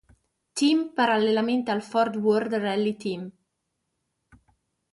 Team parallelamente al Ford World Rally Team.